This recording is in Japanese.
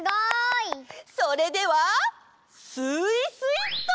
それではスイスイっと！